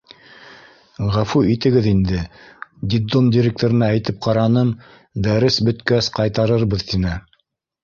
— Ғәфү итегеҙ инде, детдом директорына әйтеп ҡараным, дәрес бөткәс ҡайтарырбыҙ тип.